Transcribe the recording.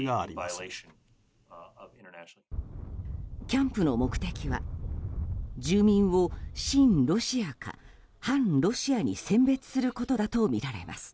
キャンプの目的は住民を親ロシアか反ロシアに選別することだとみられます。